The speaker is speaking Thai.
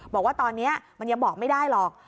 บอกว่าตอนนี้มันยังบอกไม่ได้หรอก